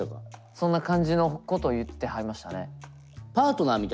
そんな感じのこと言ってはりましたね。